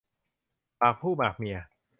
หมากผู้หมากเมีย